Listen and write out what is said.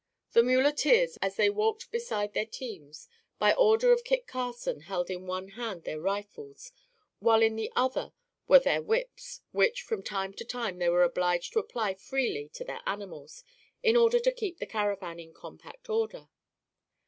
The muleteers, as they walked beside their teams, by order of Kit Carson held in one hand their rifles, while in the other were their whips, which, from time to time, they were obliged to apply freely to their animals in order to keep the caravan in compact order.